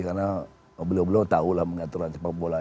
karena oblo oblo tahulah mengatur sepak bola